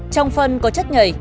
trong phân có chất nhầy